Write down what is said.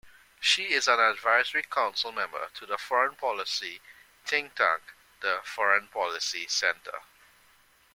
She is an advisory council member of the foreign-policy think-tank, the Foreign Policy Centre.